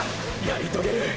やり遂げる！